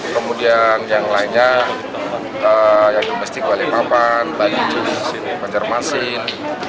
kemudian yang lainnya yang domestik balikpapan bali banjarmasin